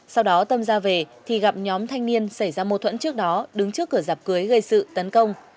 sau đó tâm ra về thì gặp nhóm thanh niên xảy ra mâu thuẫn trước đó đứng trước cửa dạp cưới gây sự tấn công